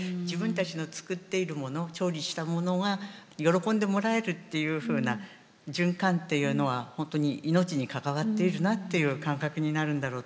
調理したものが喜んでもらえるっていうふうな循環っていうのは本当に命に関わっているなっていう感覚になるんだろうと思いますね。